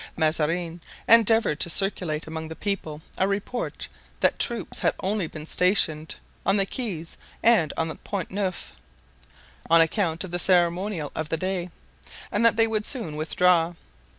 Mazarin endeavored to circulate among the people a report that troops had only been stationed on the quays and on the Pont Neuf, on account of the ceremonial of the day, and that they would soon withdraw.